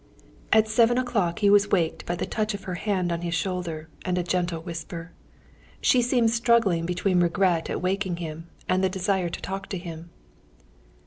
At seven o'clock he was waked by the touch of her hand on his shoulder, and a gentle whisper. She seemed struggling between regret at waking him, and the desire to talk to him.